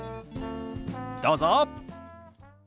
どうぞ。